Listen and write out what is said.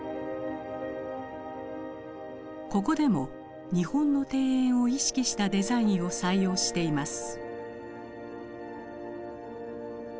ここでも日本の庭園を意識したデザインを採用しています。